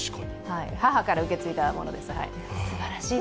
母から受け継いだものです。